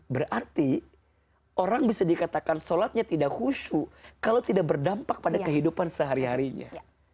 berarti orang bisa dikatakan sholatnya tidak khusyuk kalau tidak berdampak pada kehidupan sehari harinya